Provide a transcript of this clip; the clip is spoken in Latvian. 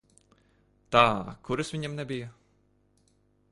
Tā, kuras viņam nebija?